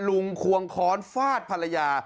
ควงค้อนฟาดภรรยา